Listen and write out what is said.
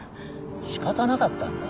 仕方なかったんだ。